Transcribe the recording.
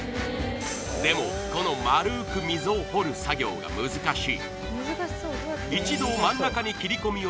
でもこの丸く溝を掘る作業が難しい。